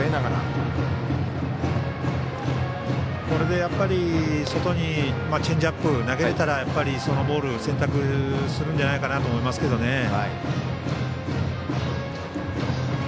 これで外にチェンジアップ投げれたらそのボール選択するんじゃないかなと思いますけどね。